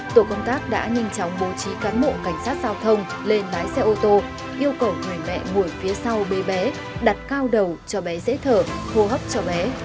tổ công tác đã nhanh chóng bố trí cán bộ cảnh sát giao thông lên lái xe ô tô yêu cầu người mẹ ngồi phía sau bế bé đặt cao đầu cho bé dễ thở hô hấp cho bé